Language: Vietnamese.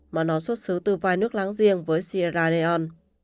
mà nó xuất xứ từ vài nước láng riêng với sierra leone